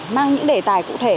mang những đề tài cụ thể